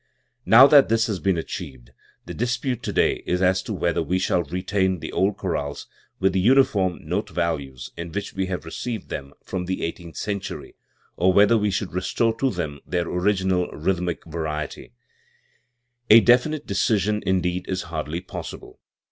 Now that this has been achieved, the dispute today is as to whether we shall retain the old chorales with the uniform note values in which we have received them from the eighteenth century, or whether we should restore to them their original rhythmic variety, A definite decision, in deed, is hardly possible.